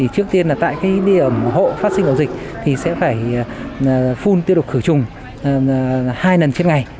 trước tiên là tại điểm hộ phát sinh ổ dịch thì sẽ phải phun tiêu độc khử trùng hai lần trên ngày